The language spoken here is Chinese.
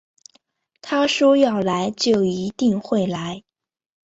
他说要来就一定会来